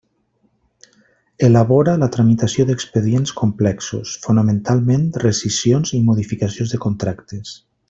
Elabora la tramitació d'expedients complexos, fonamentalment rescissions i modificacions de contractes.